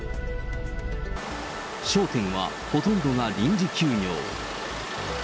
商店はほとんどが臨時休業。